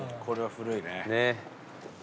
これは古いね。